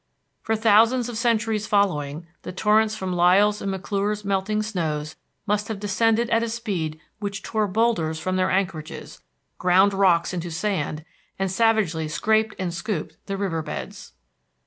For thousands of centuries following, the torrents from Lyell's and McClure's melting snows must have descended at a speed which tore boulders from their anchorages, ground rocks into sand, and savagely scraped and scooped the river beds.